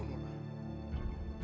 jangan terburu nona